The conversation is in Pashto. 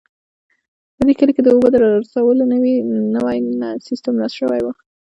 په دې کلي کې د اوبو د رارسولو نوی سیستم نصب شوی